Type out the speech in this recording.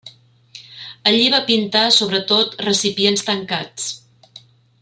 Allí va pintar sobretot recipients tancats.